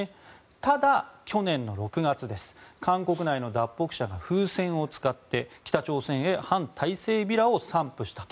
ただ、去年の６月韓国内の脱北者が風船を使って北朝鮮へ反体制ビラを散布したと。